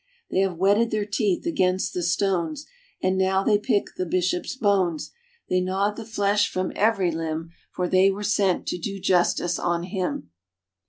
" They have whetted their teeth against the stones, And now they pick the bishop's bones, They gnawed the flesh from every limb, For they were sent to do justice on him."